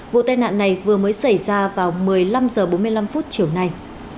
vụ tai nạn này vừa mới xảy ra vào một mươi năm h bốn mươi năm chiều nay